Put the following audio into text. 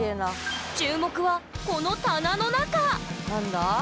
注目はこの棚の中何だ？